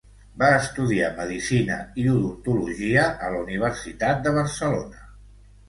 Va estudiar medicina i odontologia a la Universitat de Barcelona.